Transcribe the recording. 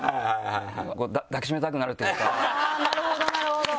なるほどなるほど。